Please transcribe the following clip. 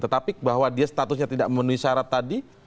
tetapi bahwa dia statusnya tidak memenuhi syarat tadi